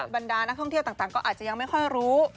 บรรดานักท่องเที่ยวต่างก็อาจจะยังไม่ค่อยรู้